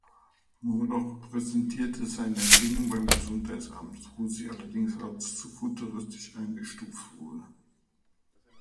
Murdoch präsentierte seine Erfindung beim Gesundheitsamt, wo sie allerdings als „zu futuristisch“ eingestuft wurde.